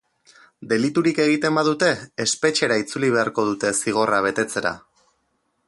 Deliturik egiten badute, espetxera itzuli beharko dute zigorra betetzera.